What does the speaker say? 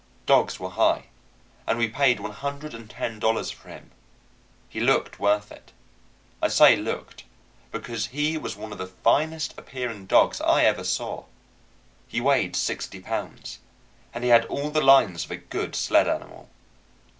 Dogs were high, and we paid one hundred and ten dollars for him. He looked worth it. I say looked, because he was one of the finest appearing dogs I ever saw. He weighed sixty pounds, and he had all the lines of a good sled animal.